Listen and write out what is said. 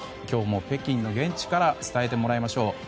今日も北京の現地から伝えてもらいましょう。